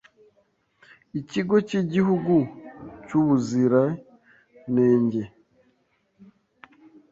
ikigo cy’igihugu cy’ubuzirenenge